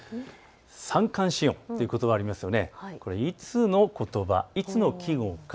三寒四温ということばがありますよね。